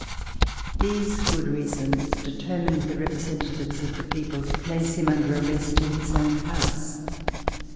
These good reasons determined the representatives of the people to place him under arrest in his own house.